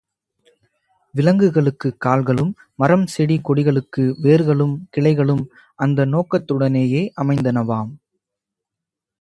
விலங்குகளுக்குக் கால்களும், மரம், செடி கொடிகளுக்கு வேர்களும் கிளைகளும் அந்த நோக்கத்துடனேயே அமைந்தனவாம்.